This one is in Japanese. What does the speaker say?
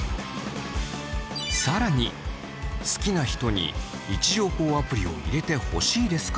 更に好きな人に位置情報アプリを入れてほしいですか？